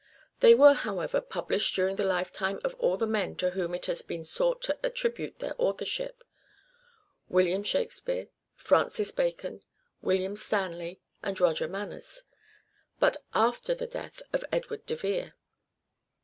They were, however, published during the lifetime of all the men to whom it has been sought to attribute their authorship : William Shak spere, Francis Bacon, William Stanley and Roger Manners : but after the death of Edward de Vere.